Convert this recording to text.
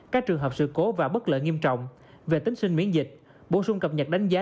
các trường hợp sự cố và bất lợi nghiêm trọng về tính sinh miễn dịch bổ sung cập nhật đánh giá